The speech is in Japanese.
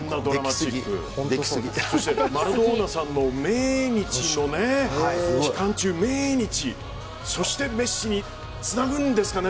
そして、マラドーナさんの命日そしてメッシにつなぐんですかね。